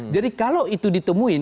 jadi kalau itu ditemuin